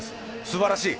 すばらしい！